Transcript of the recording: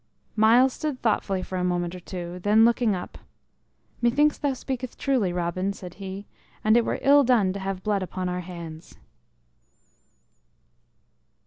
Myles stood thoughtfully for a moment or two; then, looking up, "Methinks thou speaketh truly, Robin," said he; "and it were ill done to have blood upon our hands."